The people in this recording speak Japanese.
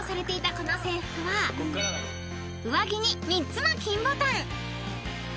この制服は上着に３つの金ボタン］